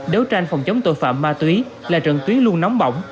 đấu tranh phòng chống tội phạm ma túy là trận tuyến luôn nóng bỏng